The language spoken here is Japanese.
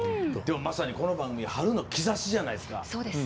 まさに、この番組「春の兆し」じゃないですか。